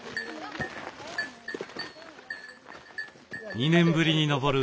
２年ぶりに登る